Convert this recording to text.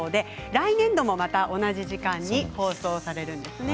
来年度も同じ時間に放送されるんですね。